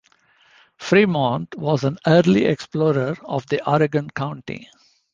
Fremont was an early explorer of the Oregon Country.